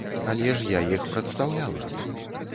Але ж я іх прадстаўляла.